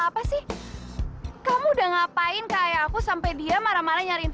pasti nih ya kamu udah ngomong yang